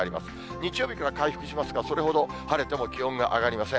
日曜日から回復しますが、それほど晴れても気温が上がりません。